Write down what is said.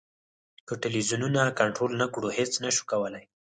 که ټلویزیونونه کنټرول نه کړو هېڅ نه شو کولای.